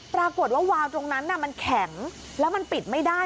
ปรากฏว่าวาวตรงนั้นมันแข็งแล้วมันปิดไม่ได้